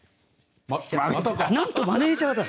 なんとマネージャーだ！